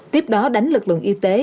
tiếp đó đánh lực lượng y tế